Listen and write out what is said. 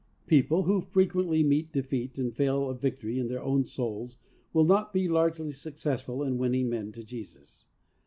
People who frequently meet defeat and fail of victory in their own souls will not be 6 THE SOUL WINNER S SECRET. largely successful in winning men to Jesus.